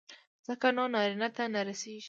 ځکه نو نارينه ته نه رسېږي.